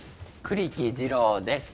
栗木次郎です